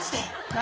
何？